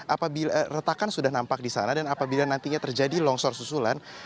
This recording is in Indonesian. apabila retakan sudah nampak di sana dan apabila nantinya terjadi longsor susulan